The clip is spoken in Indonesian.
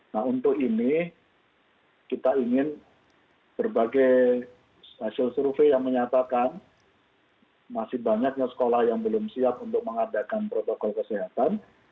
nah untuk ini kita ingin berbagai hasil survei yang menyatakan masih banyaknya sekolah yang belum siap untuk mengadakan protokol kesehatan